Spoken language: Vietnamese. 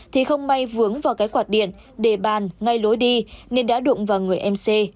thì không may vướng vào cái quạt điện để bàn ngay lối đi nên đã đụng vào người mc